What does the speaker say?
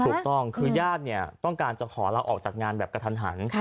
ถูกต้องคือญาติเนี่ยต้องการจะขอลาออกจากงานแบบกระทันหัน